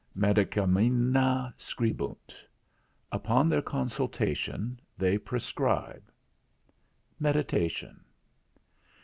MEDICAMINA SCRIBUNT. Upon their consultation they prescribe. IX. MEDITATION.